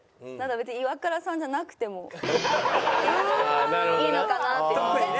なんか別にイワクラさんじゃなくてもいいのかなって。